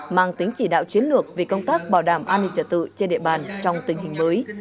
mang tính chỉ đạo chiến lược về công tác bảo đảm an ninh trật tự trên địa bàn trong tình hình mới